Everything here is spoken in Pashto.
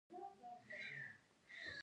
ایا زه باید قروت وخورم؟